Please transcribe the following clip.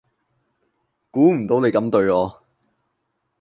估唔到你咁對我